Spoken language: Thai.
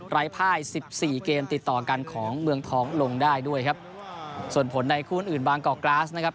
ภายสิบสี่เกมติดต่อกันของเมืองทองลงได้ด้วยครับส่วนผลในคู่อื่นอื่นบางกอกกราสนะครับ